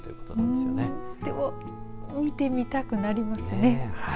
でも見てみたくなりますね。